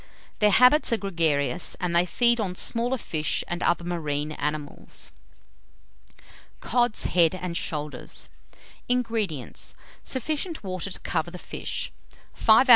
Their habits are gregarious, and they feed on smaller fish and other marine animals. COD'S HEAD AND SHOULDERS. 232. INGREDIENTS. Sufficient water to cover the fish; 5 oz.